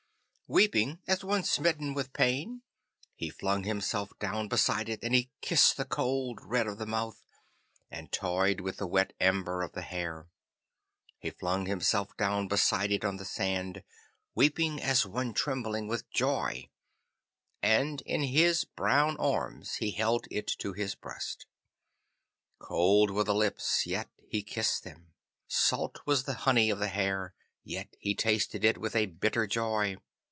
Weeping as one smitten with pain he flung himself down beside it, and he kissed the cold red of the mouth, and toyed with the wet amber of the hair. He flung himself down beside it on the sand, weeping as one trembling with joy, and in his brown arms he held it to his breast. Cold were the lips, yet he kissed them. Salt was the honey of the hair, yet he tasted it with a bitter joy.